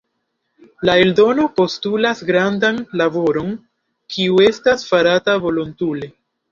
La eldono postulas grandan laboron, kiu estas farata volontule.